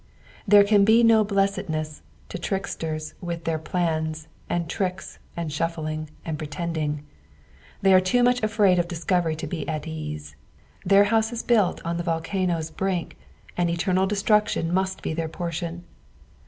There can be no blessedness to tricksters with their plans, and tricks, and shuffling, and pretending : they are too much afraid of discovery to be at ease ; their house is built on the volcano's brink, and eternal destruction must be their portion.